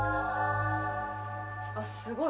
あっすごい！